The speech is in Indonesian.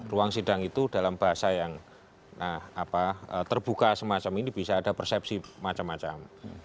ruang sidang itu dalam bahasa yang terbuka semacam ini bisa ada persepsi macam macam